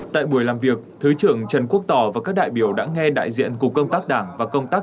tại buổi làm việc thứ trưởng trần quốc tỏ và các đại biểu đã nghe đại diện cục công tác đảng và công tác